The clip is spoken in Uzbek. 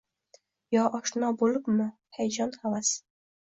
Yo oshno bo‘libmi hayajon, havas